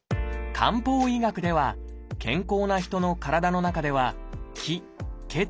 漢方医学では健康な人の体の中では「気・血・水」